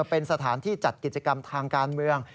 เป็นสถานที่จัดกิจกรรมทางการเมือง